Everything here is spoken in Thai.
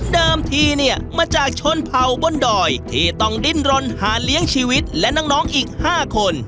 เดิมที่เนี้ยมาจากชนเผาบนดอยที่ต้องดินรนหาเลี้ยงชีวิตและน้องน้องอีกห้าคน